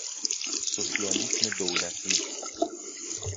سوسیالیسم دولتی